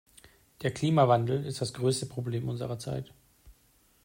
Der Klimawandel ist das größte Problem unserer Zeit.